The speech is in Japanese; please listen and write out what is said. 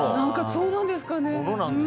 そうなんですかね。